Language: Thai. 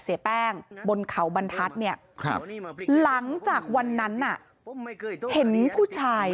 เสียแป้งบนเขาบรรทัศน์เนี่ยหลังจากวันนั้นน่ะเห็นผู้ชาย